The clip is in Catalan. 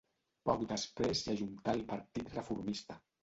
Poc després s'hi ajuntà el Partit Reformista.